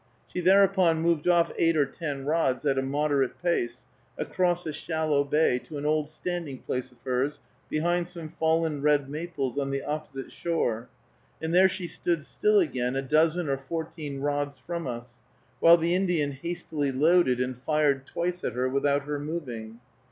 She thereupon moved off eight or ten rods at a moderate pace, across a shallow bay, to an old standing place of hers, behind some fallen red maples, on the opposite shore, and there she stood still again a dozen or fourteen rods from us, while the Indian hastily loaded and fired twice at her, without her moving.